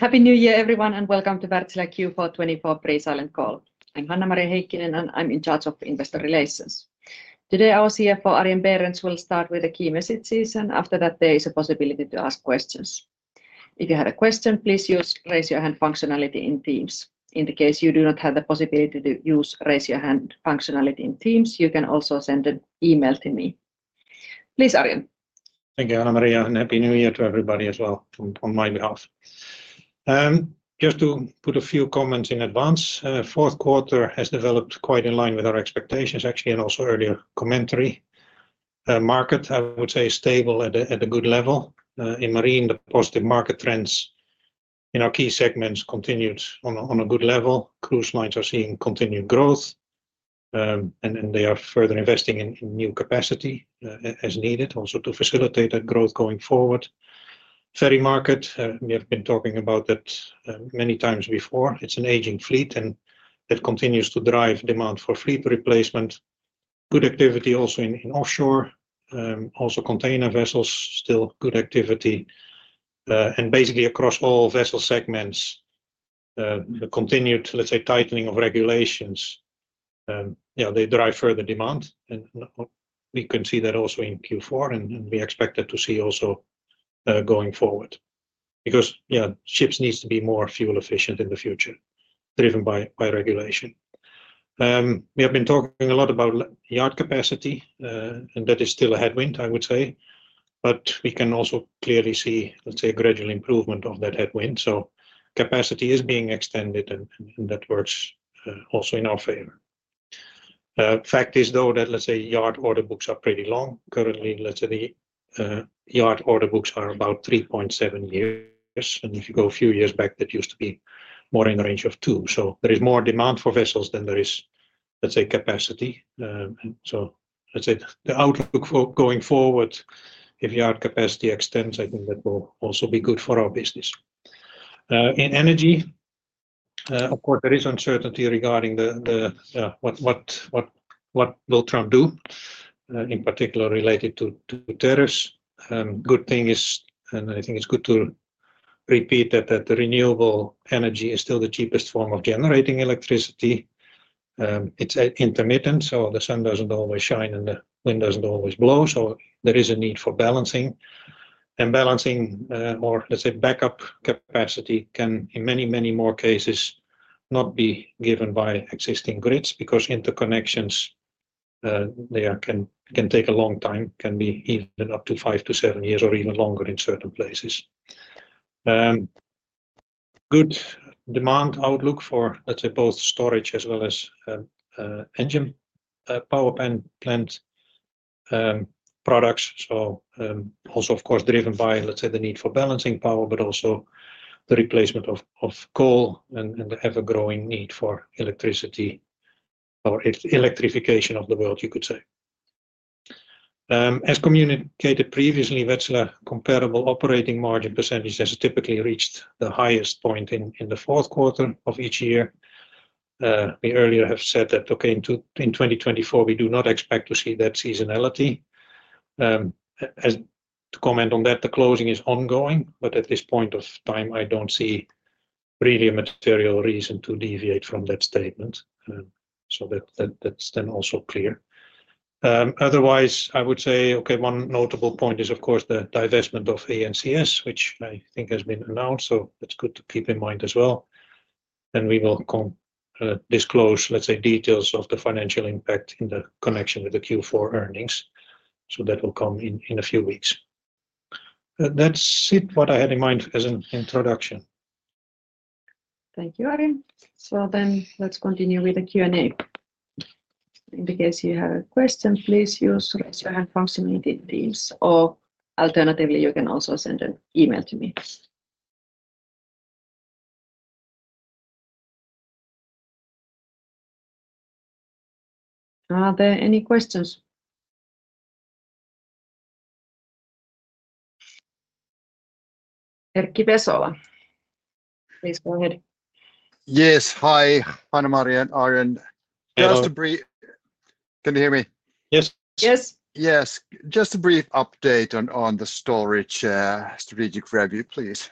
Happy New Year, everyone, and welcome to Wärtsilä Q4 2024 Pre-Silent Call. I'm Hanna-Maria Heikkinen, and I'm in charge of investor relations. Today, our CFO, Arjen Berends, will start with a key messages session. After that, there is a possibility to ask questions. If you have a question, please use the raise your hand functionality in Teams. In the case you do not have the possibility to use the raise your hand functionality in Teams, you can also send an email to me. Please, Arjen. Thank you, Hanna-Maria, and Happy New Year to everybody as well on my behalf. Just to put a few comments in advance, the Q4 has developed quite in line with our expectations, actually, and also earlier commentary. The market, I would say, is stable at a good level. In Marine, the positive market trends in our key segments continued on a good level. Cruise lines are seeing continued growth, and they are further investing in new capacity as needed, also to facilitate that growth going forward. Ferry market, we have been talking about that many times before. It's an aging fleet, and that continues to drive demand for fleet replacement. Good activity also in offshore, also container vessels, still good activity. And basically, across all vessel segments, the continued, let's say, tightening of regulations, they drive further demand. We can see that also in Q4, and we expect that to see also going forward because, ships need to be more fuel efficient in the future, driven by regulation. We have been talking a lot about yard capacity, and that is still a headwind, I would say. But we can also clearly see, let's say, a gradual improvement of that headwind. Capacity is being extended, and that works also in our favor. Fact is, though, that, let's say, yard order books are pretty long. Currently, let's say, the yard order books are about 3.7 years. If you go a few years back, that used to be more in the range of two. There is more demand for vessels than there is, let's say, capacity. So let's say the outlook for going forward, if yard capacity extends, I think that will also be good for our business. In energy, of course, there is uncertainty regarding what will Trump do, in particular related to tariffs. The good thing is, and I think it's good to repeat that the renewable energy is still the cheapest form of generating electricity. It's intermittent, so the sun doesn't always shine and the wind doesn't always blow. So there is a need for balancing. And balancing, or let's say, backup capacity can, in many, many more cases, not be given by existing grids because interconnections, they can take a long time, can be even up to five to seven years or even longer in certain places. Good demand outlook for, let's say, both storage as well as engine power plant products. So also, of course, driven by, let's say, the need for balancing power, but also the replacement of coal and the ever-growing need for electricity, or electrification of the world, you could say. As communicated previously, Wärtsilä comparable operating margin percentages has typically reached the highest point in the Q4 of each year. We earlier have said that, okay, in 2024, we do not expect to see that seasonality. To comment on that, the closing is ongoing, but at this point of time, I don't see really a material reason to deviate from that statement. That's then also clear. Otherwise, I would say, okay, one notable point is, of course, the divestment of ANCS, which I think has been announced. That's good to keep in mind as well. We will disclose, let's say, details of the financial impact in the connection with the Q4 earnings. That will come in a few weeks. That's it, what I had in mind as an introduction. Thank you, Arjen. So then let's continue with the Q&A. In case you have a question, please use the raise your hand function in Teams, or alternatively, you can also send an email to me. Are there any questions? Erkki Vesola, please go ahead. Yes, hi, Hanna-Maria and Arjen. Yes. Just a brief, can you hear me? Yes. Yes. Yes. Just a brief update on the storage strategic review, please.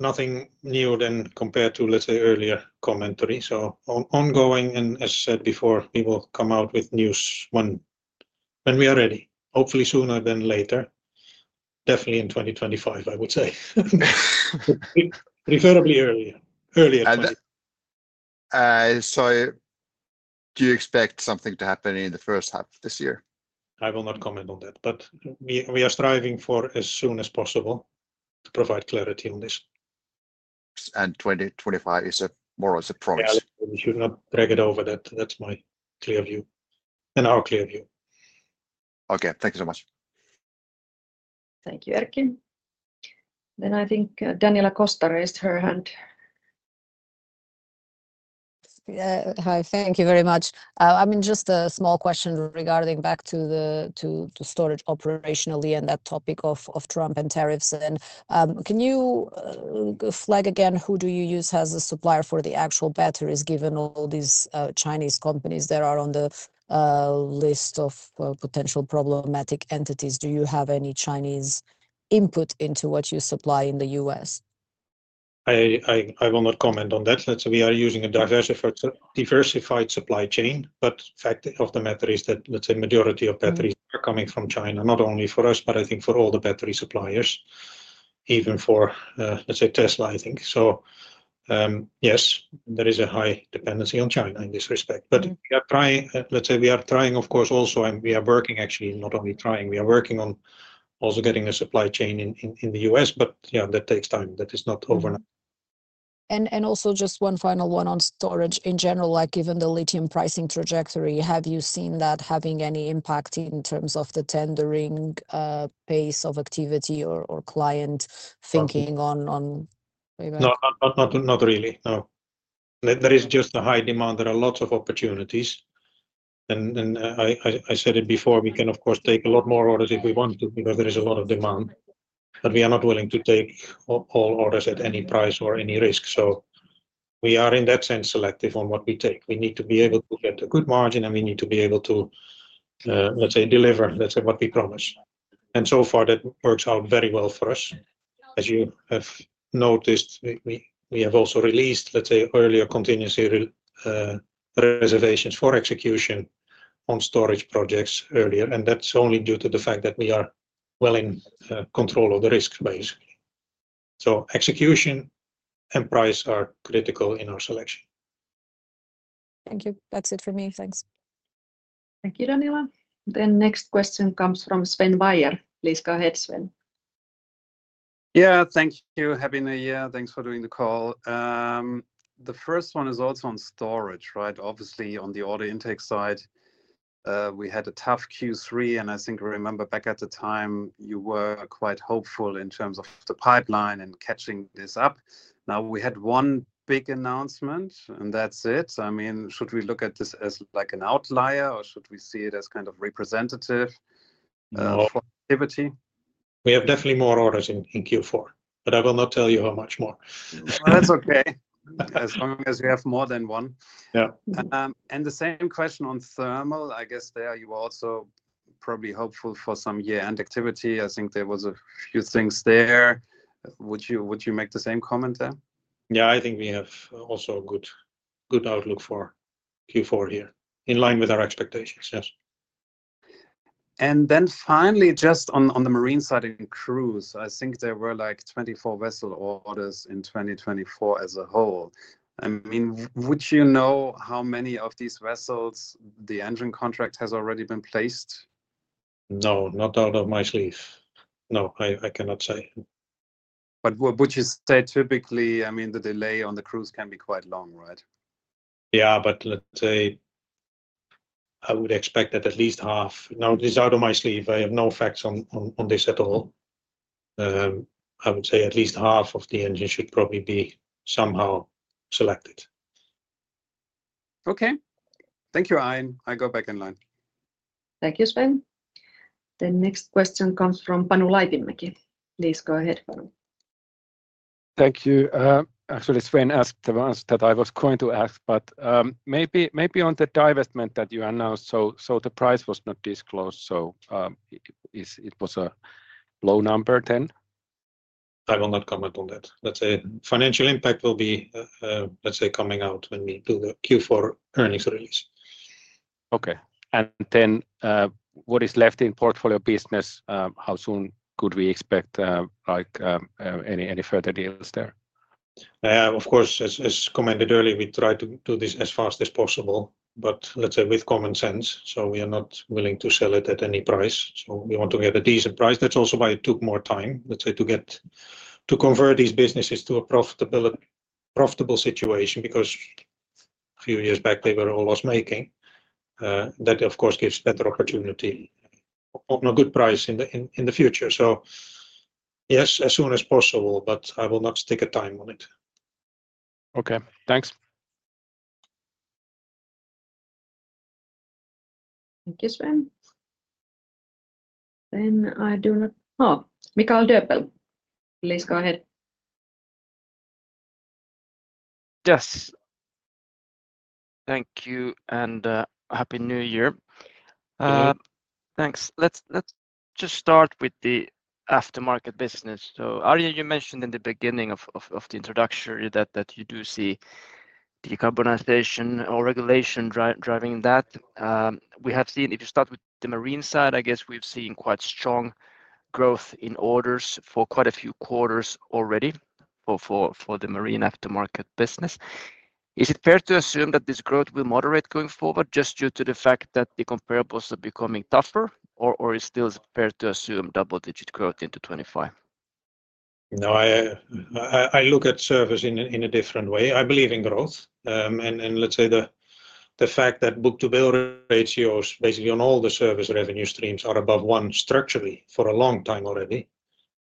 Nothing new then compared to, let's say, earlier commentary. So ongoing, and as I said before, we will come out with news when we are ready, hopefully sooner than later. Definitely in 2025, I would say. Preferably earlier. So do you expect something to happen in the H1 of this year? I will not comment on that, but we are striving for as soon as possible to provide clarity on this. 2025 is more or less a promise. We should not drag it over. That's my clear view and our clear view. Okay, thank you so much. Thank you, Erkki. Then I think Daniela Costa raised her hand. Hi, thank you very much. I mean, just a small question regarding back to storage operationally and that topic of Trump and tariffs. And can you flag again who do you use as a supplier for the actual batteries, given all these Chinese companies that are on the list of potential problematic entities? Do you have any Chinese input into what you supply in the U.S.? I will not comment on that. Let's say we are using a diversified supply chain, but the fact of the matter is that, let's say, the majority of batteries are coming from China, not only for us, but I think for all the battery suppliers, even for, let's say, Tesla, I think. So yes, there is a high dependency on China in this respect. But we are trying, let's say, of course, also, and we are working actually, not only trying, on also getting a supply chain in the U.S., but that takes time. That is not overnight. And also just one final one on storage in general, like given the lithium pricing trajectory, have you seen that having any impact in terms of the tendering pace of activity or client thinking on- No, not really. No. There is just a high demand. There are lots of opportunities, and I said it before, we can, of course, take a lot more orders if we want to because there is a lot of demand, but we are not willing to take all orders at any price or any risk, so we are in that sense selective on what we take. We need to be able to get a good margin, and we need to be able to, let's say, deliver, let's say, what we promise, and so far, that works out very well for us. As you have noticed, we have also released, let's say, earlier contingency reservations for execution on storage projects earlier, and that's only due to the fact that we are well in control of the risk, basically, so execution and price are critical in our selection. Thank you. That's it for me. Thanks. Thank you, Daniela. Then next question comes from Sven Weier. Please go ahead, Sven. Thank you, Hanna-Maria. Thanks for doing the call. The first one is also on storage, right? Obviously, on the order intake side, we had a tough Q3, and I think I remember back at the time you were quite hopeful in terms of the pipeline and catching this up. Now we had one big announcement, and that's it. I mean, should we look at this as like an outlier, or should we see it as kind of representative for activity? We have definitely more orders in Q4, but I will not tell you how much more. That's okay, as long as you have more than one. Yeah. And the same question on thermal, I guess there you were also probably hopeful for some year-end activity. I think there was a few things there. Would you make the same comment there? I think we have also a good outlook for Q4 here, in line with our expectations, yes. Then finally, just on the marine side in cruise, I think there were like 24 vessel orders in 2024 as a whole. I mean, would you know how many of these vessels the engine contract has already been placed? No, not out of my sleeve. No, I cannot say. But would you say typically, I mean, the delay on the cruise can be quite long, right? But let's say I would expect that at least half, now, this is out of my sleeve. I have no facts on this at all. I would say at least half of the engine should probably be somehow selected. Okay. Thank you, Arjen. I go back in line. Thank you, Sven. Then next question comes from Panu Laitinmäki. Please go ahead, Panu. Thank you. Actually, Sven asked the answer that I was going to ask, but maybe on the divestment that you announced, so the price was not disclosed, so it was a low number then? I will not comment on that. Let's say financial impact will be, let's say, coming out when we do the Q4 earnings release. Okay. And then what is left in portfolio business? How soon could we expect any further deals there? Of course, as commented earlier, we try to do this as fast as possible, but let's say with common sense. So we are not willing to sell it at any price. So we want to get a decent price. That's also why it took more time, let's say, to convert these businesses to a profitable situation because a few years back, they were almost making that, of course, gives better opportunity on a good price in the future. So yes, as soon as possible, but I will not stick a time on it. Okay. Thanks. Thank you, Sven. Oh, Michael Dobell, please go ahead. Yes. Thank you and Happy New Year. Thanks. Let's just start with the aftermarket business. So Arjen, you mentioned in the beginning of the introduction that you do see decarbonization or regulation driving that. We have seen, if you start with the marine side, I guess we've seen quite strong growth in orders for quite a few quarters already for the marine aftermarket business. Is it fair to assume that this growth will moderate going forward just due to the fact that the comparables are becoming tougher, or is it still fair to assume double-digit growth into 2025? I look at service in a different way. I believe in growth. And let's say the fact that book-to-bill ratios basically on all the service revenue streams are above one structurally for a long time already,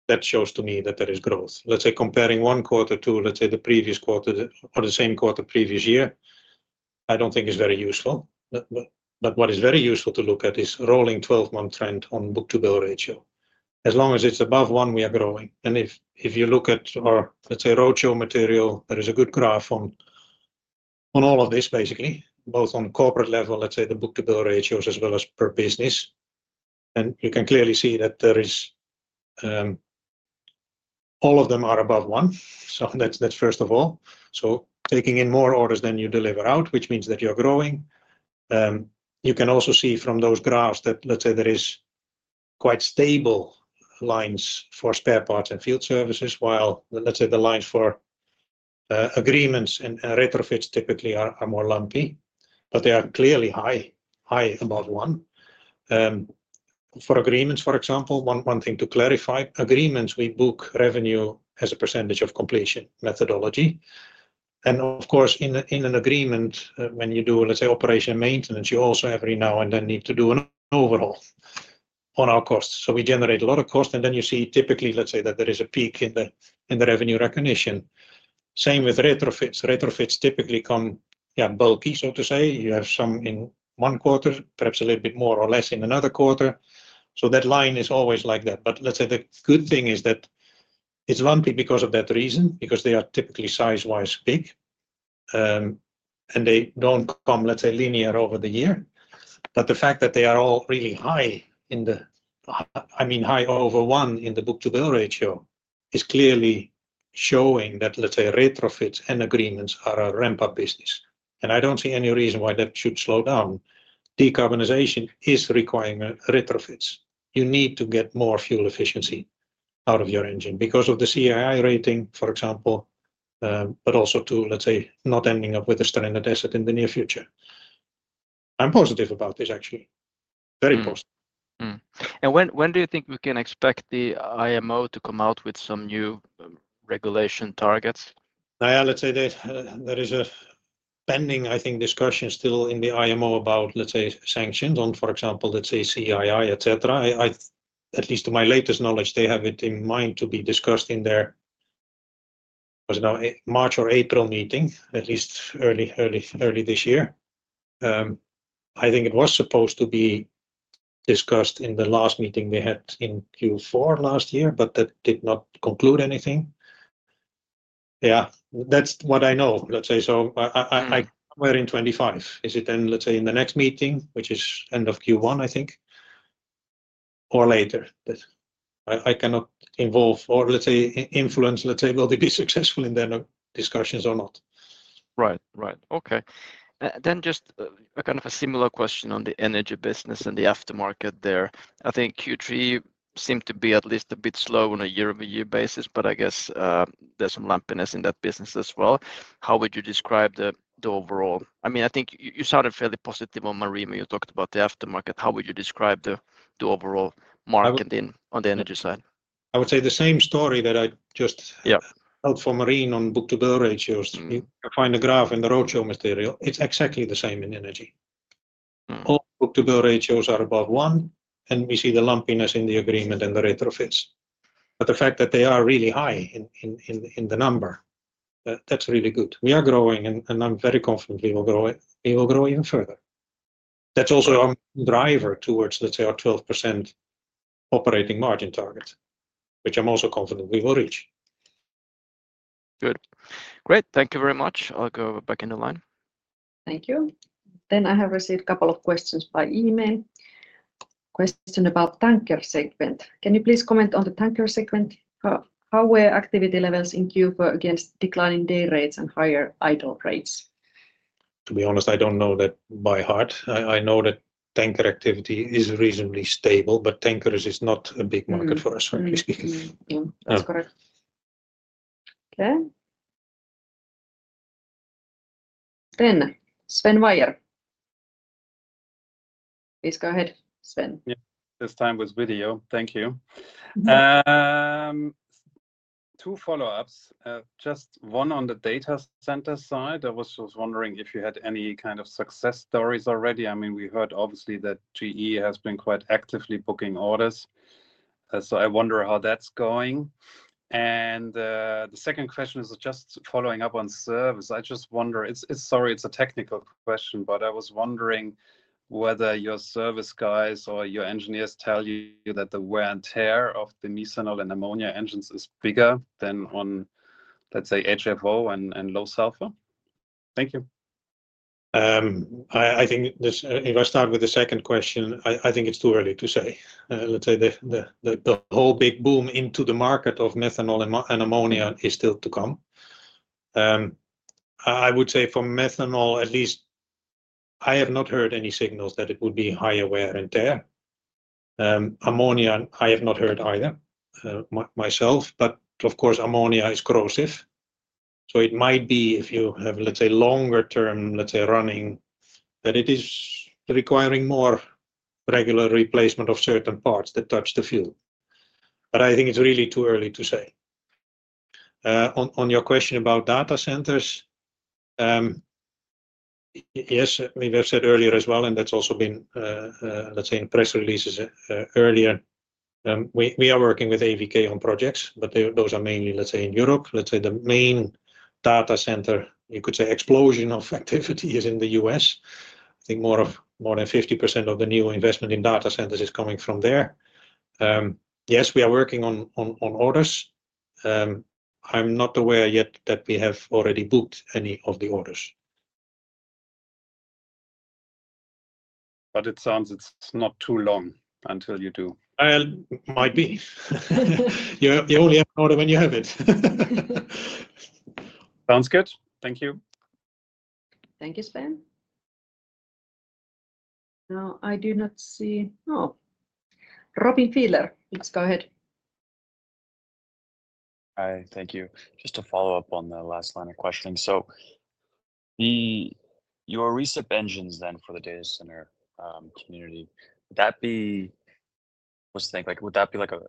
that shows to me that there is growth. Let's say comparing one quarter to, let's say, the previous quarter or the same quarter previous year, I don't think is very useful. But what is very useful to look at is rolling 12-month trend on book-to-bill ratio. As long as it's above one, we are growing. And if you look at our, let's say, roadshow material, there is a good graph on all of this, basically, both on corporate level, let's say the book-to-bill ratios as well as per business. And you can clearly see that all of them are above one. So that's first of all. So taking in more orders than you deliver out, which means that you're growing. You can also see from those graphs that, let's say, there are quite stable lines for spare parts and field services, while let's say the lines for agreements and retrofits typically are more lumpy, but they are clearly high, high above one. For agreements, for example, one thing to clarify, agreements, we book revenue as a percentage of completion methodology. And of course, in an agreement, when you do, let's say, operation maintenance, you also every now and then need to do an overhaul on our costs. So we generate a lot of cost, and then you see typically, let's say, that there is a peak in the revenue recognition. Same with retrofits. Retrofits typically come bulky, so to say. You have some in one quarter, perhaps a little bit more or less in another quarter. So that line is always like that. But let's say the good thing is that it's lumpy because of that reason, because they are typically size-wise big, and they don't come, let's say, linear over the year. But the fact that they are all really high in the, I mean, high over one in the book-to-bill ratio is clearly showing that, let's say, retrofits and agreements are a ramp-up business. And I don't see any reason why that should slow down. Decarbonization is requiring retrofits. You need to get more fuel efficiency out of your engine because of the CII rating, for example, but also to, let's say, not ending up with a standard asset in the near future. I'm positive about this, actually. Very positive. When do you think we can expect the IMO to come out with some new regulation targets? Let's say there is a pending, I think, discussion still in the IMO about, let's say, sanctions on, for example, let's say, CII, etc. At least to my latest knowledge, they have it in mind to be discussed in their March or April meeting, at least early this year. I think it was supposed to be discussed in the last meeting they had in Q4 last year, but that did not conclude anything. That's what I know, let's say. So I'm worried in 2025. Is it then, let's say, in the next meeting, which is end of Q1, I think, or later? I cannot involve or, let's say, influence, let's say, will they be successful in their discussions or not? Right, right. Okay. Then just a kind of a similar question on the energy business and the aftermarket there. I think Q3 seemed to be at least a bit slow on a year-over-year basis, but I guess there's some lumpiness in that business as well. How would you describe the overall? I mean, I think you sounded fairly positive on marine. When you talked about the aftermarket, how would you describe the overall aftermarket on the energy side? I would say the same story that I just told for marine on book-to-bill ratios. You find a graph in the roadshow material. It's exactly the same in energy. All book-to-bill ratios are above one, and we see the lumpiness in the agreement and the retrofits. But the fact that they are really high in the number, that's really good. We are growing, and I'm very confident we will grow even further. That's also a driver towards, let's say, our 12% operating margin target, which I'm also confident we will reach. Good. Great. Thank you very much. I'll go back in the line. Thank you. Then I have received a couple of questions by email. Question about tanker segment. Can you please comment on the tanker segment? How were activity levels in Q4 against declining day rates and higher idle rates? To be honest, I don't know that by heart. I know that tanker activity is reasonably stable, but tankers is not a big market for us, at least. That's correct. Okay. Then Sven Weier. Please go ahead, Sven. This time with video. Thank you. Two follow-ups. Just one on the data center side. I was just wondering if you had any kind of success stories already. I mean, we heard obviously that GE has been quite actively booking orders. So I wonder how that's going. And the second question is just following up on service. I just wonder, sorry, it's a technical question, but I was wondering whether your service guys or your engineers tell you that the wear and tear of the methanol and ammonia engines is bigger than on, let's say, HFO and low sulfur? Thank you. I think if I start with the second question, I think it's too early to say. Let's say the whole big boom into the market of methanol and ammonia is still to come. I would say for methanol, at least I have not heard any signals that it would be higher wear and tear. Ammonia, I have not heard either myself, but of course, ammonia is corrosive. So it might be if you have, let's say, longer-term, let's say, running that it is requiring more regular replacement of certain parts that touch the fuel. But I think it's really too early to say. On your question about data centers, yes, we've said earlier as well, and that's also been, let's say, in press releases earlier. We are working with AVK on projects, but those are mainly, let's say, in Europe. Let's say the main data center, you could say, explosion of activity is in the U.S. I think more than 50% of the new investment in data centers is coming from there. Yes, we are working on orders. I'm not aware yet that we have already booked any of the orders. But it sounds like it's not too long until you do. Might be. You only have an order when you have it. Sounds good. Thank you. Thank you, Sven. Now, I do not see, oh, Robin Fiedler, please go ahead. Hi, thank you. Just to follow up on the last line of questions. So your recent engines then for the data center community, would that be, what's the thing? Would that be like an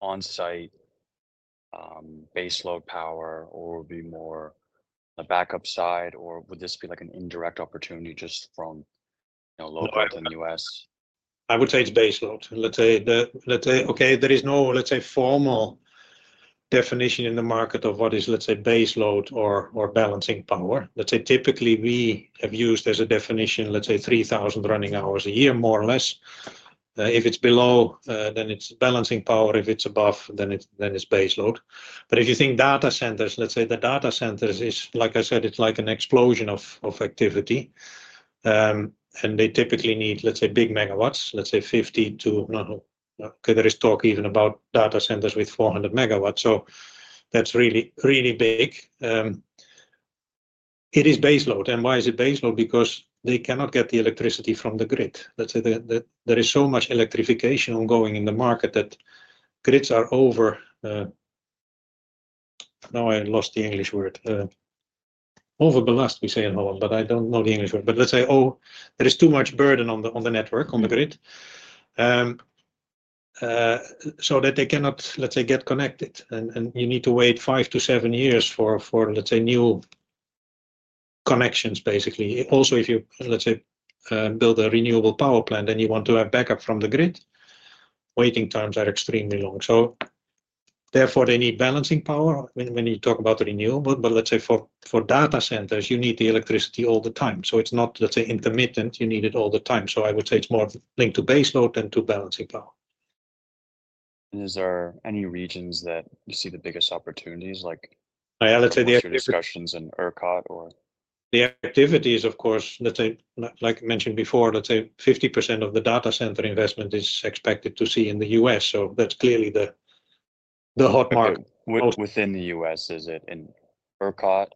on-site baseload power, or would it be more on the backup side, or would this be like an indirect opportunity just from low-throughput in the US? I would say it's baseload. Let's say, okay, there is no, let's say, formal definition in the market of what is, let's say, baseload or balancing power. Let's say typically we have used as a definition, let's say, 3,000 running hours a year, more or less. If it's below, then it's balancing power. If it's above, then it's baseload, but if you think data centers, let's say the data centers is, like I said, it's like an explosion of activity and they typically need, let's say, big megawatts, let's say 50 to, okay, there is talk even about data centers with 400 megawatts, so that's really, really big. It is baseload and why is it baseload? Because they cannot get the electricity from the grid. Let's say there is so much electrification ongoing in the market that grids are over. Now, I lost the English word. Overbelast, we say in Holland, but I don't know the English word. But let's say, oh, there is too much burden on the network, on the grid, so that they cannot, let's say, get connected. And you need to wait five to seven years for, let's say, new connections, basically. Also, if you, let's say, build a renewable power plant, then you want to have backup from the grid. Waiting times are extremely long. So therefore, they need balancing power when you talk about renewable. But let's say for data centers, you need the electricity all the time. So it's not, let's say, intermittent. You need it all the time. So I would say it's more linked to baseload than to balancing power. Is there any regions that you see the biggest opportunities? Like future discussions in ERCOT or? The activity is, of course, let's say, like I mentioned before, let's say 50% of the data center investment is expected to see in the U.S. So that's clearly the hot market. Within the U.S., is it in ERCOT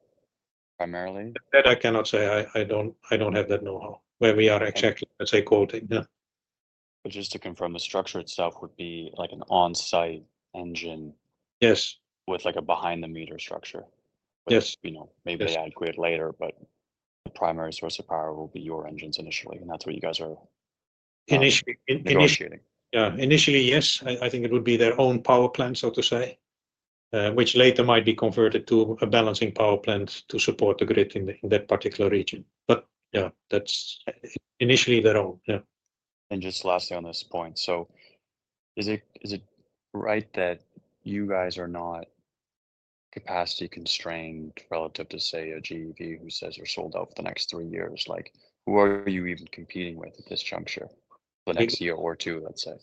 primarily? That I cannot say. I don't have that know-how where we are exactly, let's say, quoting. But just to confirm, the structure itself would be like an on-site engine with like a behind-the-meter structure. Maybe they add grid later, but the primary source of power will be your engines initially, and that's what you guys are initiating. Initially, yes. I think it would be their own power plant, so to say, which later might be converted to a balancing power plant to support the grid in that particular region. But that's initially their own. Just lastly on this point, so is it right that you guys are not capacity constrained relative to, say, a GE who says they're sold out for the next three years? Who are you even competing with at this juncture for the next year or two, let's say?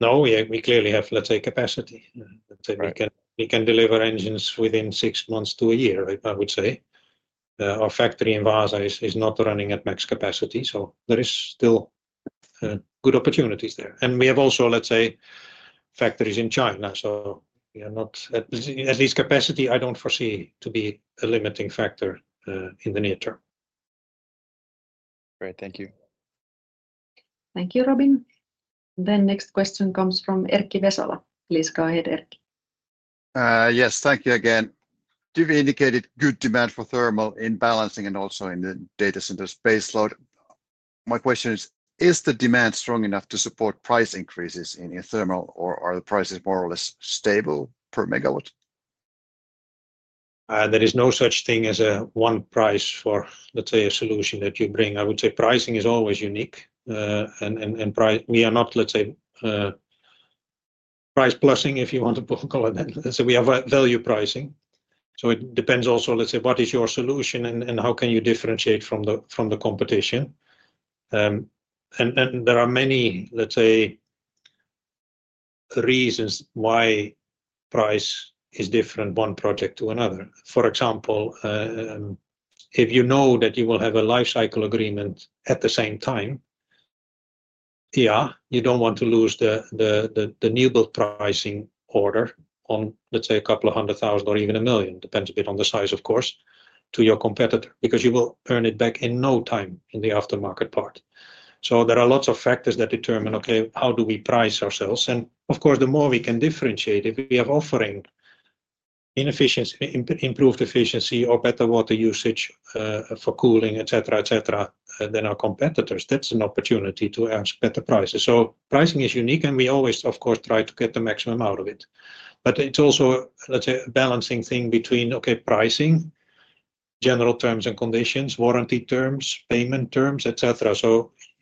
No, we clearly have, let's say, capacity. We can deliver engines within six months to a year, I would say. Our factory in Vaasa is not running at max capacity, so there are still good opportunities there. And we have also, let's say, factories in China. So we are not at least capacity, I don't foresee to be a limiting factor in the near term. Great. Thank you. Thank you, Robin. Then next question comes from Erkki Vesola. Please go ahead, Erkki. Yes, thank you again. You've indicated good demand for thermal in balancing and also in the data center's baseload. My question is, is the demand strong enough to support price increases in thermal, or are the prices more or less stable per megawatt? There is no such thing as a one price for, let's say, a solution that you bring. I would say pricing is always unique. We are not, let's say, price-plussing, if you want to call it. Let's say we have value pricing. So it depends also, let's say, what is your solution and how can you differentiate from the competition. There are many, let's say, reasons why price is different one project to another. For example, if you know that you will have a life cycle agreement at the same time, you don't want to lose the new build pricing order on, let's say, a couple of hundred thousand or even a million. Depends a bit on the size, of course, to your competitor because you will earn it back in no time in the aftermarket part. There are lots of factors that determine, okay, how do we price ourselves? And of course, the more we can differentiate, if we have offering improved efficiency or better water usage for cooling, etc., etc., than our competitors, that's an opportunity to ask better prices. Pricing is unique, and we always, of course, try to get the maximum out of it. But it's also, let's say, a balancing thing between, okay, pricing, general terms and conditions, warranty terms, payment terms, etc.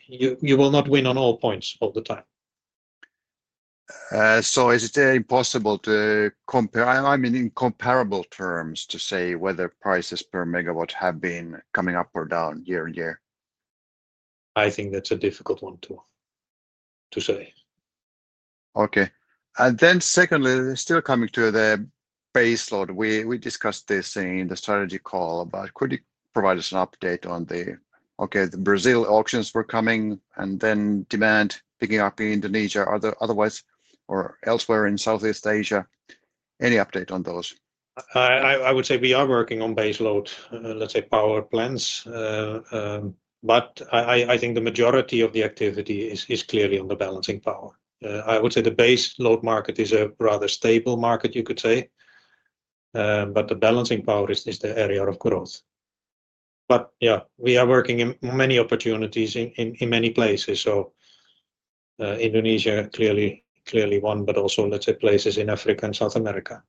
You will not win on all points all the time. So is it impossible to compare, I mean, in comparable terms, to say whether prices per megawatt have been coming up or down year on year? I think that's a difficult one to say. Okay. And then secondly, still coming to the baseload, we discussed this in the strategy call, but could you provide us an update on the Brazil auctions were coming, and then demand picking up in Indonesia otherwise or elsewhere in Southeast Asia? Any update on those? I would say we are working on baseload, let's say, power plants, but I think the majority of the activity is clearly on the balancing power. I would say the baseload market is a rather stable market, you could say, but the balancing power is the area of growth. But we are working in many opportunities in many places. So Indonesia clearly one, but also, let's say, places in Africa and South America.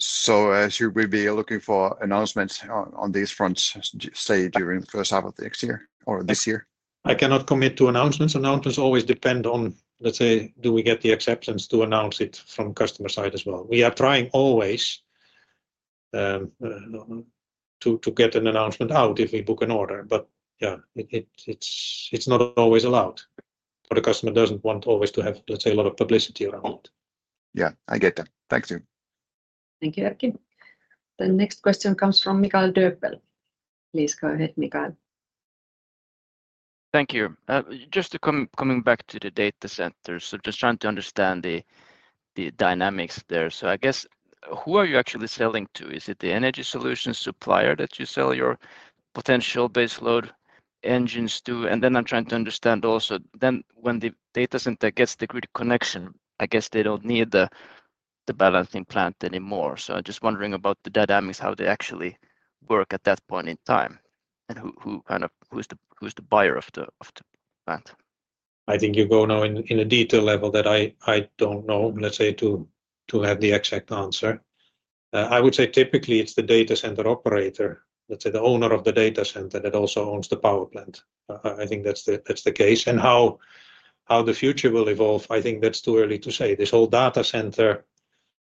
So should we be looking for announcements on these fronts, say, during the H1 of the next year or this year? I cannot commit to announcements. Announcements always depend on, let's say, do we get the acceptance to announce it from customer side as well? We are trying always to get an announcement out if we book an order, but it's not always allowed for the customer. Doesn't want always to have, let's say, a lot of publicity around it. I get that. Thank you. Thank you, Erkki. The next question comes from Michael Dobell. Please go ahead, Michael. Thank you. Just coming back to the data centers, so just trying to understand the dynamics there. So I guess who are you actually selling to? Is it the energy solutions supplier that you sell your potential baseload engines to? And then I'm trying to understand also then when the data center gets the grid connection, I guess they don't need the balancing plant anymore. So I'm just wondering about the dynamics, how they actually work at that point in time, and who kind of is the buyer of the plant? I think you go now in a detail level that I don't know, let's say, to have the exact answer. I would say typically it's the data center operator, let's say the owner of the data center that also owns the power plant. I think that's the case, and how the future will evolve, I think that's too early to say. This whole data center,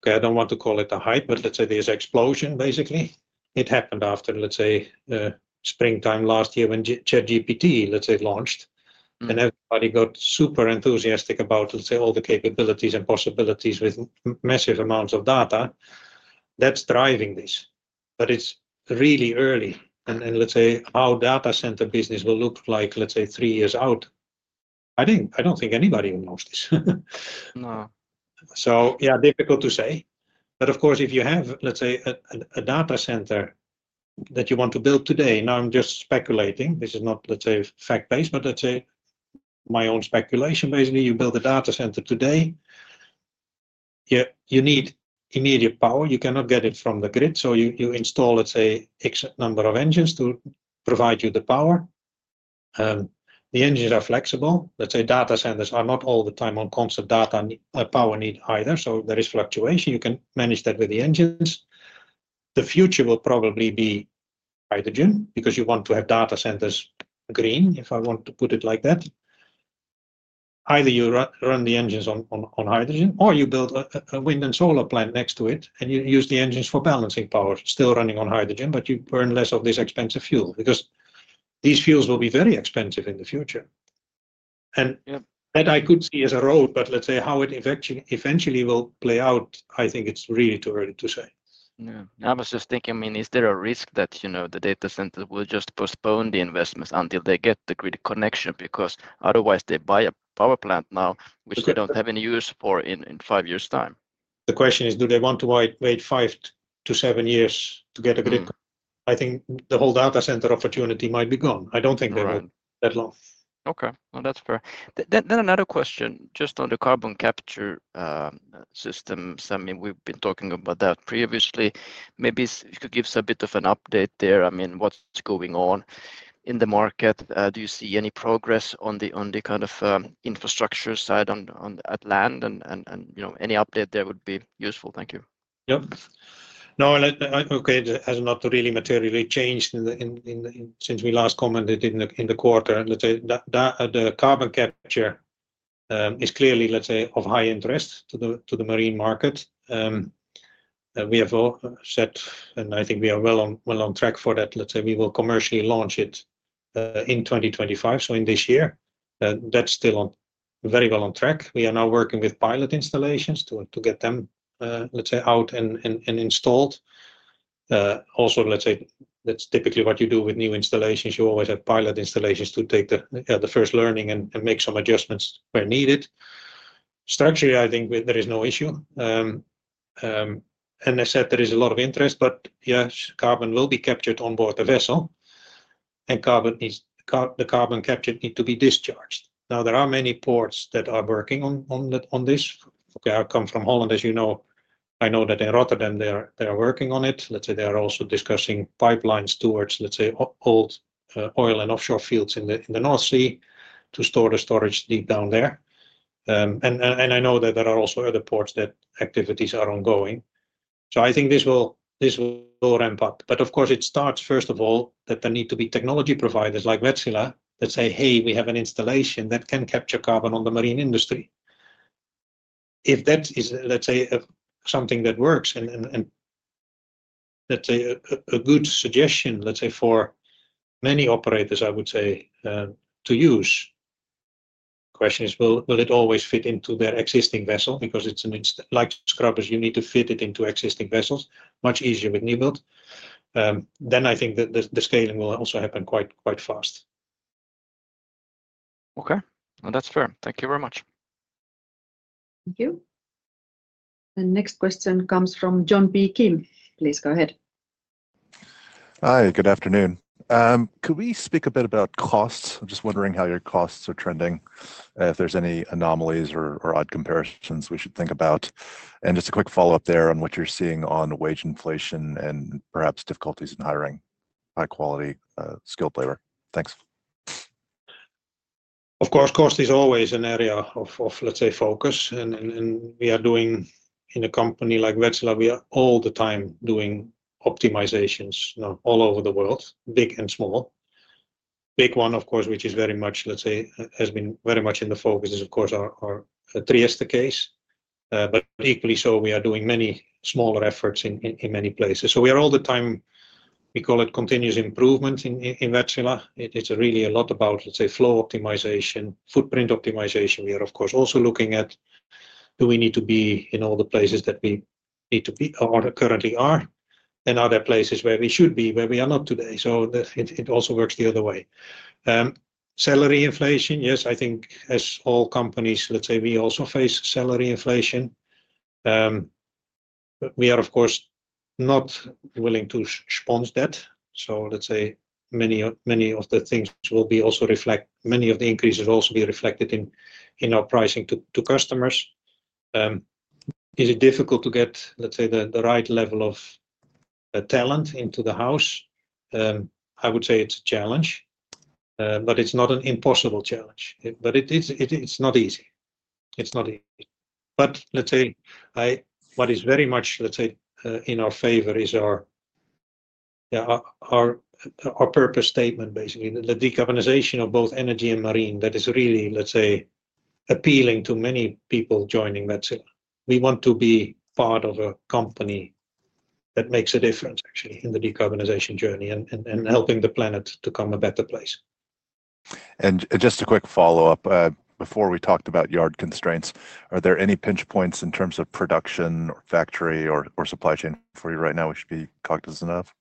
okay, I don't want to call it a hype, but let's say there's an explosion, basically. It happened after, let's say, springtime last year when ChatGPT, let's say, launched, and everybody got super enthusiastic about, let's say, all the capabilities and possibilities with massive amounts of data. That's driving this, but it's really early, and let's say how data center business will look like, let's say, three years out, I don't think anybody knows this, so difficult to say. But of course, if you have, let's say, a data center that you want to build today, now I'm just speculating. This is not, let's say, fact-based, but let's say my own speculation, basically, you build a data center today, you need immediate power. You cannot get it from the grid. So you install, let's say, X number of engines to provide you the power. The engines are flexible. Let's say data centers are not all the time on constant data power need either, so there is fluctuation. You can manage that with the engines. The future will probably be hydrogen because you want to have data centers green, if I want to put it like that. Either you run the engines on hydrogen or you build a wind and solar plant next to it, and you use the engines for balancing power, still running on hydrogen, but you burn less of this expensive fuel because these fuels will be very expensive in the future. And that I could see as a road, but let's say how it eventually will play out, I think it's really too early to say. I was just thinking, I mean, is there a risk that the data center will just postpone the investments until they get the grid connection because otherwise they buy a power plant now, which they don't have any use for in five years' time? The question is, do they want to wait five to seven years to get a grid? I think the whole data center opportunity might be gone. I don't think they will that long. Okay. That's fair. Another question just on the carbon capture systems. I mean, we've been talking about that previously. Maybe you could give us a bit of an update there. I mean, what's going on in the market? Do you see any progress on the kind of infrastructure side on land, and any update there would be useful. Thank you. Yep. No, okay, it has not really materially changed since we last commented in the quarter. Let's say the carbon capture is clearly, let's say, of high interest to the marine market. We have set and I think we are well on track for that. Let's say we will commercially launch it in 2025, so in this year. That's still very well on track. We are now working with pilot installations to get them, let's say, out and installed. Also, let's say that's typically what you do with new installations. You always have pilot installations to take the first learning and make some adjustments where needed. Structurally, I think there is no issue. And as I said, there is a lot of interest, but yes, carbon will be captured on board the vessel, and the carbon capture needs to be discharged. Now, there are many ports that are working on this. I come from Holland, as you know. I know that in Rotterdam, they are working on it. Let's say they are also discussing pipelines towards, let's say, old oil and offshore fields in the North Sea to store the storage deep down there. And I know that there are also other ports that activities are ongoing. So I think this will ramp up. But of course, it starts, first of all, that there need to be technology providers like Wärtsilä that say, "Hey, we have an installation that can capture carbon on the marine industry." If that is, let's say, something that works and, let's say, a good suggestion, let's say, for many operators, I would say, to use, the question is, will it always fit into their existing vessel? Because it's like scrubbers. You need to fit it into existing vessels, much easier with new build, then I think the scaling will also happen quite fast. Okay. Well, that's fair. Thank you very much. Thank you. The next question comes from John B. Kim. Please go ahead. Hi, good afternoon. Could we speak a bit about costs? I'm just wondering how your costs are trending, if there's any anomalies or odd comparisons we should think about, and just a quick follow-up there on what you're seeing on wage inflation and perhaps difficulties in hiring high-quality skilled labor. Thanks. Of course, cost is always an area of, let's say, focus, and we are doing in a company like Wärtsilä, we are all the time doing optimizations all over the world, big and small, big one, of course, which is very much, let's say, has been very much in the focus is, of course, our Trieste case, but equally so, we are doing many smaller efforts in many places, so we are all the time, we call it continuous improvement in Wärtsilä. It's really a lot about, let's say, flow optimization, footprint optimization. We are, of course, also looking at, do we need to be in all the places that we need to be or currently are and other places where we should be where we are not today, so it also works the other way. Salary inflation, yes, I think as all companies, let's say, we also face salary inflation. We are, of course, not willing to absorb debt. So let's say many of the things will also be reflected, many of the increases will also be reflected in our pricing to customers. Is it difficult to get, let's say, the right level of talent into the house? I would say it's a challenge, but it's not an impossible challenge. But it's not easy. It's not easy. But let's say what is very much, let's say, in our favor is our purpose statement, basically, the decarbonization of both energy and marine that is really, let's say, appealing to many people joining Wärtsilä. We want to be part of a company that makes a difference, actually, in the decarbonization journey and helping the planet to become a better place. Just a quick follow-up. Before we talked about yard constraints, are there any pinch points in terms of production or factory or supply chain for you right now? We should be cognizant of.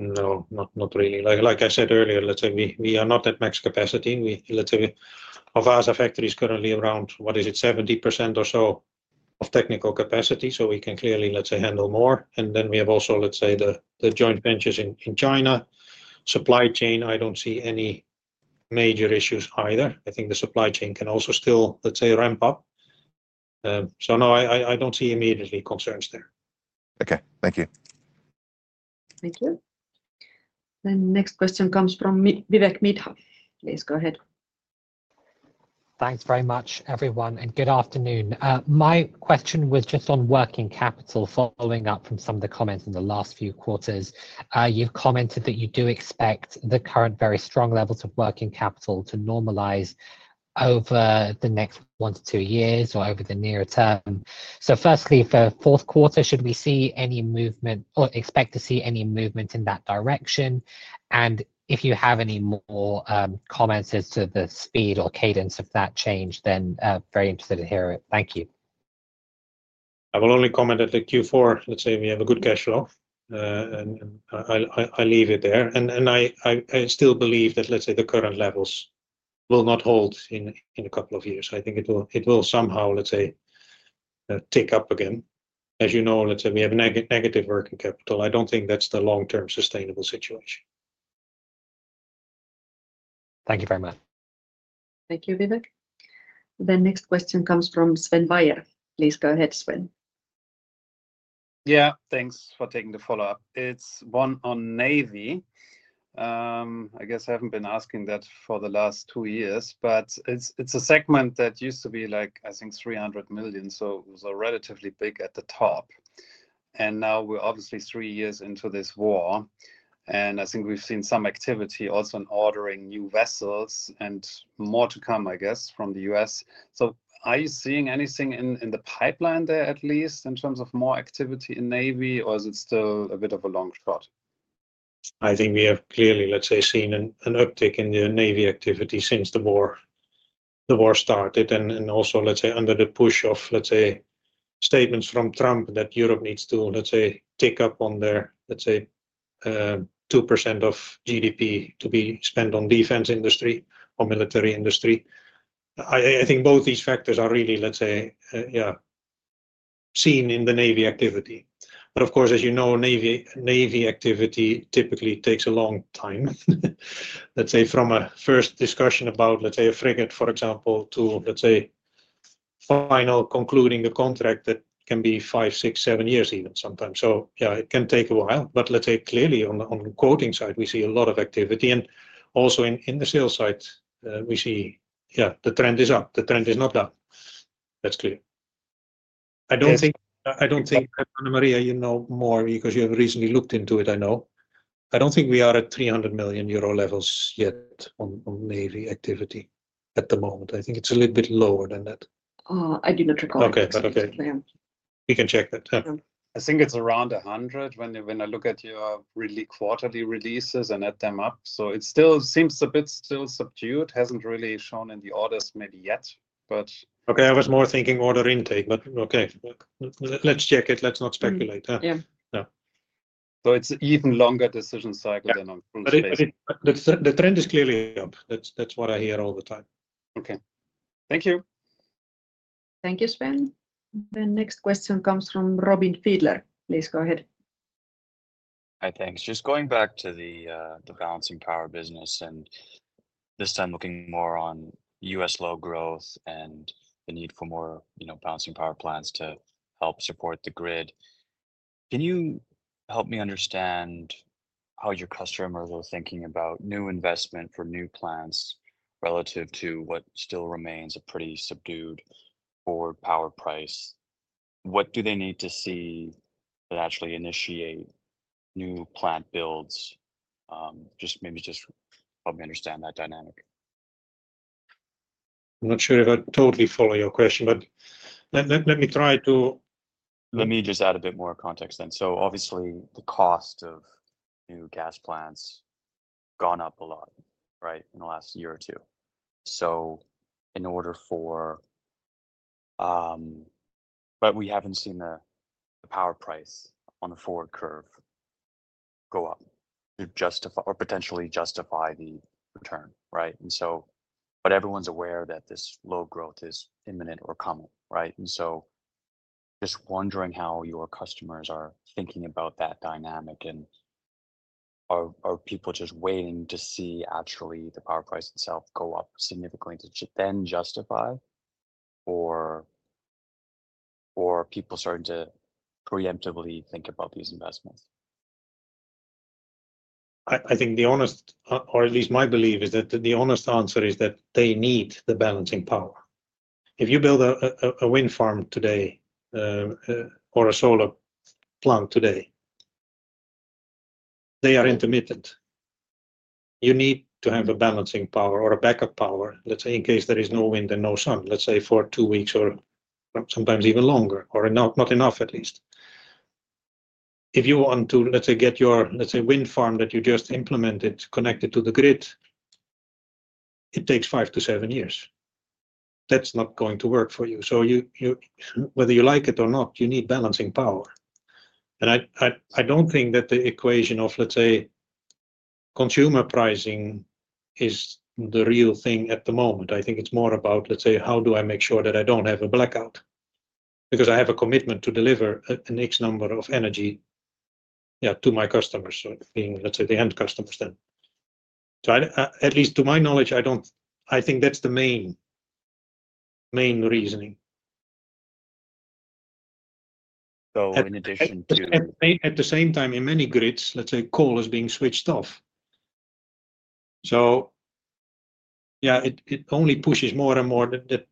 No, not really. Like I said earlier, let's say we are not at max capacity. Let's say of our factories currently around, what is it, 70% or so of technical capacity. So we can clearly, let's say, handle more. And then we have also, let's say, the joint ventures in China. Supply chain, I don't see any major issues either. I think the supply chain can also still, let's say, ramp up. So no, I don't see immediately concerns there. Okay. Thank you. Thank you. The next question comes from Vivek Midha. Please go ahead. Thanks very much, everyone, and good afternoon. My question was just on working capital following up from some of the comments in the last few quarters. You've commented that you do expect the current very strong levels of working capital to normalize over the next one to two years or over the nearer term. So firstly, for Q4, should we see any movement or expect to see any movement in that direction? And if you have any more comments as to the speed or cadence of that change, then very interested to hear it. Thank you. I will only comment that the Q4, let's say, we have a good cash flow. And I'll leave it there. And I still believe that, let's say, the current levels will not hold in a couple of years. I think it will somehow, let's say, tick up again. As you know, let's say we have negative working capital. I don't think that's the long-term sustainable situation. Thank you very much. Thank you, Vivek. The next question comes from Sven Weier. Please go ahead, Sven. Thanks for taking the follow-up. It's one on navy. I guess I haven't been asking that for the last two years, but it's a segment that used to be like, I think, 300 million, so it was relatively big at the top. And now we're obviously three years into this war. And I think we've seen some activity also in ordering new vessels and more to come, I guess, from the U.S. So are you seeing anything in the pipeline there, at least in terms of more activity in navy, or is it still a bit of a long shot? I think we have clearly, let's say, seen an uptick in the navy activity since the war started, and also, let's say, under the push of, let's say, statements from Trump that Europe needs to, let's say, tick up on their, let's say, 2% of GDP to be spent on defense industry or military industry. I think both these factors are really, let's say, seen in the navy activity, but of course, as you know, navy activity typically takes a long time, let's say, from a first discussion about, let's say, a frigate, for example, to, let's say, final concluding a contract that can be five, six, seven years even sometimes, so it can take a while, but let's say clearly on the quoting side, we see a lot of activity, and also in the sales side, we see the trend is up. The trend is not down. That's clear. I don't think, Annemarie, you know more because you have recently looked into it, I know. I don't think we are at 300 million euro levels yet on navy activity at the moment. I think it's a little bit lower than that. I do not recall. Okay. We can check that. I think it's around 100 when I look at your really quarterly releases and add them up. So it still seems a bit subdued. Hasn't really shown in the orders maybe yet, but. Okay. I was more thinking order intake, but okay. Let's check it. Let's not speculate. So it's an even longer decision cycle than on full scale. The trend is clearly up. That's what I hear all the time. Okay. Thank you. Thank you, Sven. The next question comes from Robin Fiedler. Please go ahead. Hi, thanks. Just going back to the balancing power business and this time looking more on U.S. low growth and the need for more balancing power plants to help support the grid. Can you help me understand how your customers are thinking about new investment for new plants relative to what still remains a pretty subdued forward power price? What do they need to see to actually initiate new plant builds? Just maybe help me understand that dynamic. I'm not sure if I totally follow your question, but let me try to. Let me just add a bit more context then, so obviously, the cost of new gas plants has gone up a lot, right, in the last year or two, so in order for but we haven't seen the power price on the forward curve go up to justify or potentially justify the return, right, and so but everyone's aware that this load growth is imminent or coming, right, and so just wondering how your customers are thinking about that dynamic and are people just waiting to see actually the power price itself go up significantly to then justify or are people starting to preemptively think about these investments? I think the honest or at least my belief is that the honest answer is that they need the balancing power. If you build a wind farm today or a solar plant today, they are intermittent. You need to have a balancing power or a backup power, let's say, in case there is no wind and no sun, let's say, for two weeks or sometimes even longer or not enough at least. If you want to, let's say, get your, let's say, wind farm that you just implemented connected to the grid, it takes five to seven years. That's not going to work for you. So whether you like it or not, you need balancing power. And I don't think that the equation of, let's say, consumer pricing is the real thing at the moment. I think it's more about, let's say, how do I make sure that I don't have a blackout because I have a commitment to deliver an X number of energy to my customers, so being, let's say, the end customers then. So at least to my knowledge, I don't. I think that's the main reasoning. So in addition to. At the same time, in many grids, let's say, coal is being switched off. So, it only pushes more and more that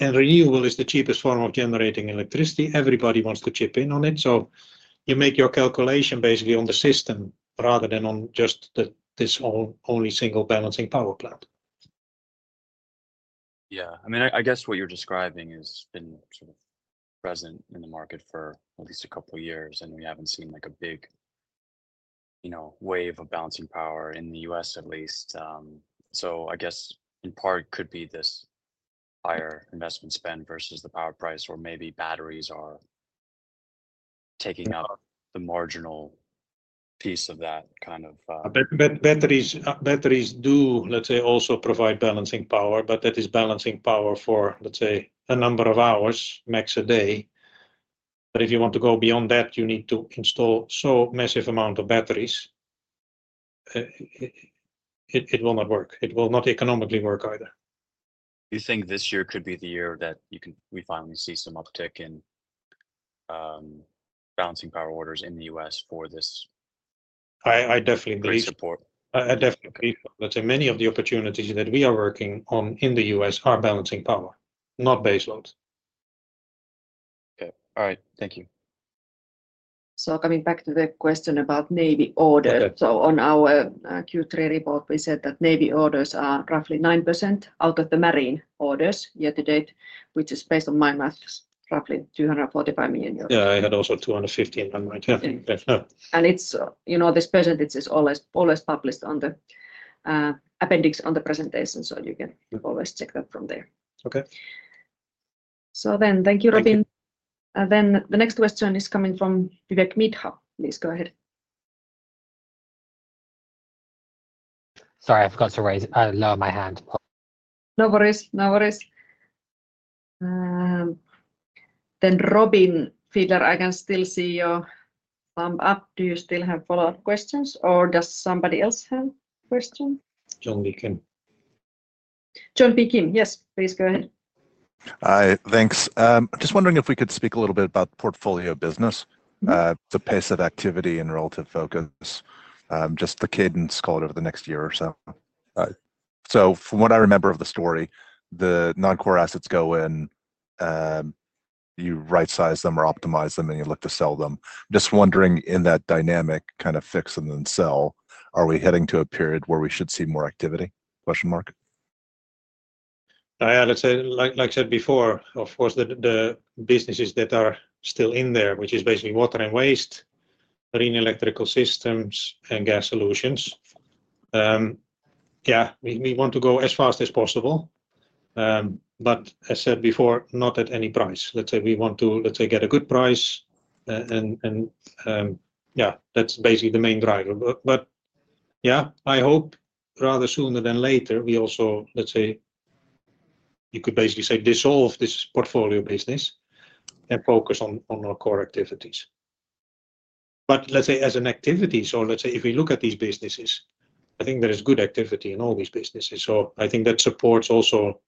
and renewable is the cheapest form of generating electricity. Everybody wants to chip in on it. So you make your calculation basically on the system rather than on just this only single balancing power plant. I mean, I guess what you're describing has been sort of present in the market for at least a couple of years, and we haven't seen a big wave of balancing power in the U.S., at least. So I guess in part could be this higher investment spend versus the power price or maybe batteries are taking up the marginal piece of that kind of. Batteries do, let's say, also provide balancing power, but that is balancing power for, let's say, a number of hours, max a day. But if you want to go beyond that, you need to install so massive amount of batteries. It will not work. It will not economically work either. Do you think this year could be the year that we finally see some uptick in balancing power orders in the U.S. for this? I definitely agree. Great support. I definitely agree. Let's say many of the opportunities that we are working on in the U.S. are balancing power, not baseload. Okay. All right. Thank you. So coming back to the question about navy orders. So on our Q3 report, we said that navy orders are roughly 9% out of the marine orders year to date, which is based on my math, roughly 245 million euros. I had also 215 on my calculator. This percentage is always published on the appendix on the presentation, so you can always check that from there. Okay. So then, thank you, Robin. Then the next question is coming from Vivek Midha. Please go ahead. Sorry, I forgot to raise or lower my hand. No worries. No worries. Then Robin Fiedler, I can still see your thumb up. Do you still have follow-up questions, or does somebody else have a question? John Bikim. John B. Kim, yes. Please go ahead. Hi, thanks. Just wondering if we could speak a little bit about portfolio business, the pace of activity and relative focus, just the cadence called over the next year or so. So from what I remember of the story, the non-core assets go in, you right-size them or optimize them, and you look to sell them. Just wondering in that dynamic kind of fix and then sell, are we heading to a period where we should see more activity? Let's say, like I said before, of course, the businesses that are still in there, which is basically water and waste, marine electrical systems, and gas solutions. We want to go as fast as possible. But as I said before, not at any price. Let's say we want to, let's say, get a good price. And that's basically the main driver. But I hope rather sooner than later, we also, let's say, you could basically say dissolve this portfolio business and focus on our core activities. But let's say as an activity, so let's say if we look at these businesses, I think there is good activity in all these businesses. So I think that supports also,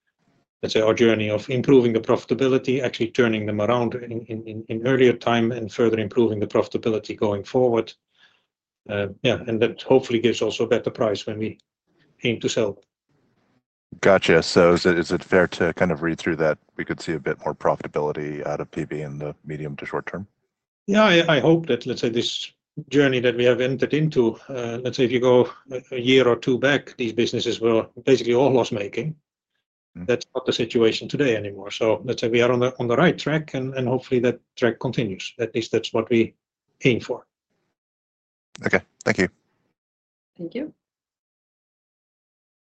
let's say, our journey of improving the profitability, actually turning them around in earlier time and further improving the profitability going forward. That hopefully gives also a better price when we aim to sell. Gotcha. So is it fair to kind of read through that we could see a bit more profitability out of PB in the medium to short term? I hope that, let's say, this journey that we have entered into, let's say, if you go a year or two back, these businesses were basically all loss-making. That's not the situation today anymore. So let's say we are on the right track, and hopefully that track continues. At least that's what we aim for. Okay. Thank you. Thank you.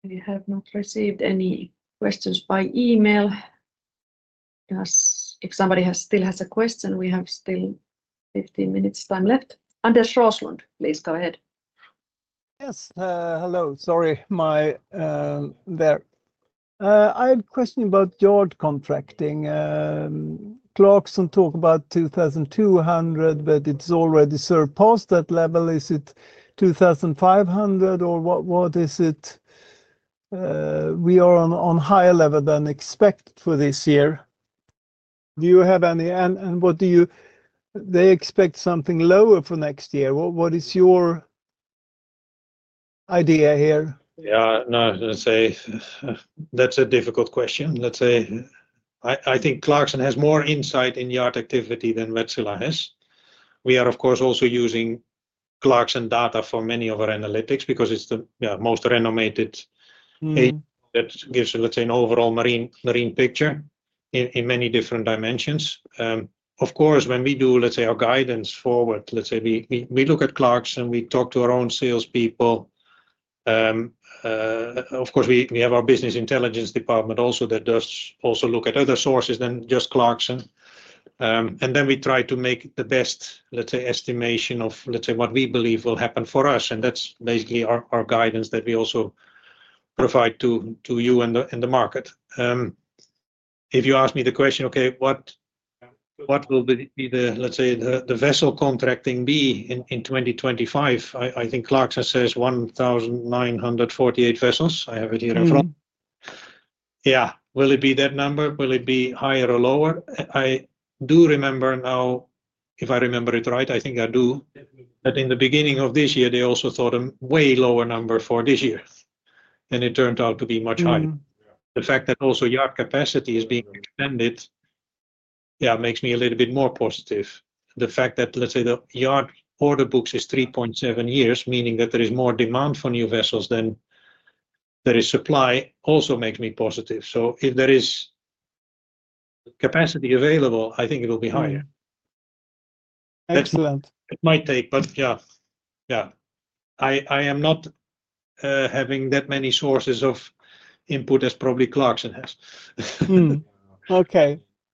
We have not received any questions by email. If somebody still has a question, we have still 15 minutes time left. Anders Roslund, please go ahead. Yes. Hello. Sorry. I have a question about yard contracting. Clarksons talked about 2,200, but it's already surpassed that level. Is it 2,500 or what is it? We are on a higher level than expected for this year. Do you have any? And what do they expect, something lower for next year? What is your idea here? No, let's say that's a difficult question. Let's say I think Clarkson has more insight in yard activity than Wärtsilä has. We are, of course, also using Clarkson data for many of our analytics because it's the most renowned agency that gives, let's say, an overall marine picture in many different dimensions. Of course, when we do, let's say, our guidance forward, let's say, we look at Clarkson, we talk to our own salespeople. Of course, we have our business intelligence department also that does also look at other sources than just Clarkson. And then we try to make the best, let's say, estimation of, let's say, what we believe will happen for us. And that's basically our guidance that we also provide to you and the market. If you ask me the question, okay, what will be, let's say, the vessel contracting be in 2025? I think Clarkson says 1,948 vessels. I have it here in front. Will it be that number? Will it be higher or lower? I do remember now, if I remember it right, I think I do, that in the beginning of this year, they also thought a way lower number for this year. And it turned out to be much higher. The fact that also yard capacity is being expanded makes me a little bit more positive. The fact that, let's say, the yard order books is 3.7 years, meaning that there is more demand for new vessels than there is supply also makes me positive. So if there is capacity available, I think it will be higher. Excellent. It might take, but I am not having that many sources of input as probably Clarkson has.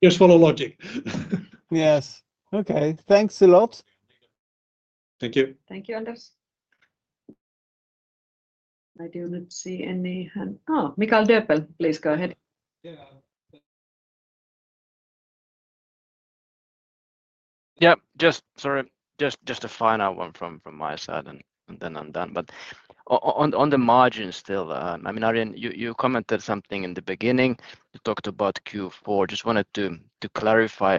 Just follow logic. Yes. Okay. Thanks a lot. Thank you. Thank you, Anders. I do not see any hand. Oh, Michael Dobell, please go ahead. Just sorry, just a final one from my side, and then I'm done. But on the margin still, I mean, Arjen, you commented something in the beginning. You talked about Q4. Just wanted to clarify.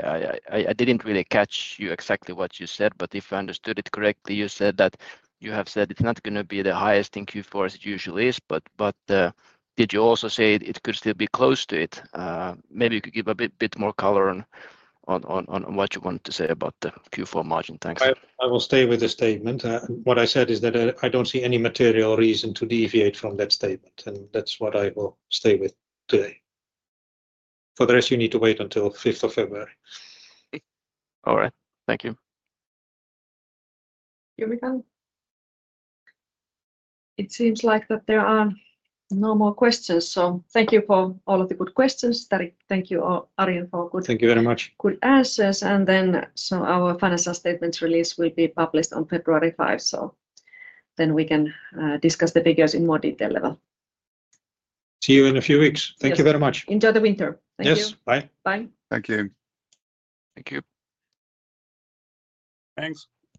I didn't really catch you exactly what you said, but if I understood it correctly, you said that you have said it's not going to be the highest in Q4 as it usually is. But did you also say it could still be close to it? Maybe you could give a bit more color on what you wanted to say about the Q4 margin. Thanks. I will stay with the statement. What I said is that I don't see any material reason to deviate from that statement. And that's what I will stay with today, and for the rest, you need to wait until 5th of February. All right. Thank you. You're welcome. It seems like there are no more questions. So thank you for all of the good questions. Thank you, Arjen, for good. Thank you very much. Good answers. And then our financial statements release will be published on February 5th. So then we can discuss the figures in more detail level. See you in a few weeks. Thank you very much. Enjoy the winter. Thank you. Yes. Bye. Bye. Thank you. Thank you. Thanks.